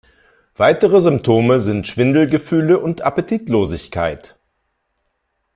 Weitere Symptome sind Schwindelgefühle und Appetitlosigkeit.